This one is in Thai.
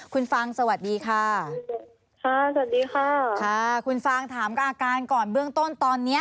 คุณฟังสวัสดีค่ะคุณฟังถามกับอาการก่อนเบื้องต้นตอนนี้